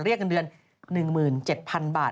เรียกเงินเดือน๑๗๐๐๐บาท